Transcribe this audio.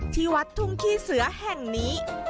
ที่วัดทุ่งขี้เสือแห่งนี้